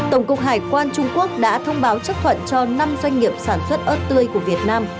tổng cục hải quan trung quốc đã thông báo chấp thuận cho năm doanh nghiệp sản xuất ớt tươi của việt nam